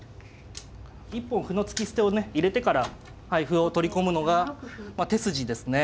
一本歩の突き捨てをね入れてから歩を取り込むのが手筋ですね。